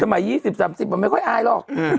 สมัย๒๐๓๐มันไม่ค่อยอายหรอก